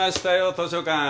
図書館。